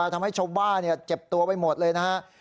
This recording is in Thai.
ทำให้ชาวบ้านเจ็บตัวไปหมดเลยนะฮะ